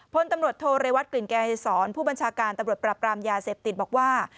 พลตำรวจโทเรวัตกลิ่นเกษรผู้บัญชาการตำรวจปรับปรามยาเสพติดบอกว่า